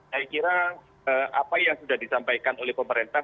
saya kira apa yang sudah disampaikan oleh pemerintah